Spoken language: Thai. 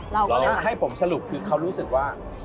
แล้วให้ผมสรุปคือเขารู้สึกว่า